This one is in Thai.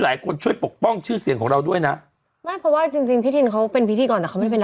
อืมใช่ถูกไหมคะเขาเป็นพิธีกรอย่างเดียว